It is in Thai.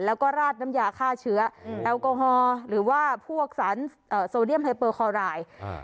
แล้วก็ราดน้ำยาฆ่าเชื้อแอลกอฮอล์หรือว่าพวกสารโซเดียมไฮเปอร์คอราย